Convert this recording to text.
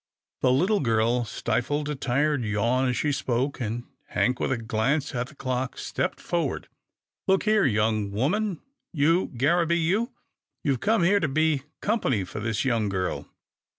The little girl stifled a tired yawn as she spoke, and Hank, with a glance at the clock, stepped for ward. " Look here, young woman, you Garraby, you — you've come here to be company for this young girl.